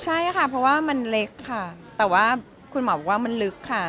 ใช่ค่ะเพราะว่ามันเล็กค่ะแต่ว่ามันลึกค่ะ